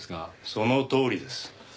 そのとおりです。